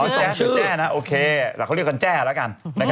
แจ๊ดหรือแจ๊นะโอเคเขาเรียกกันแจ้ละกัน